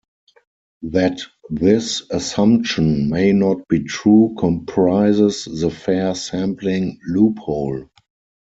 That this assumption may not be true comprises the fair sampling loophole.